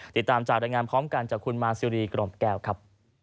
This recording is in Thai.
ติดตามจากรายงานพร้อมกันจากคุณมาซิรีกล่อมแก้วครับ